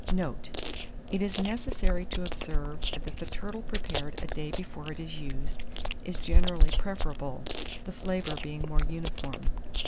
Note. It is necessary to observe, that the turtle prepared a day before it is used, is generally preferable, the flavour being more uniform.